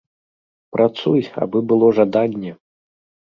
Працуй, абы было жаданне!